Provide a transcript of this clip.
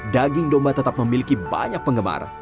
daging domba tetap memiliki banyak penggemar